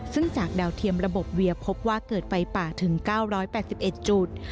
ซึ่งจากดาวเทียมระบบเวียพบว่าเกิดไฟป่าถึง๙๘๑จุด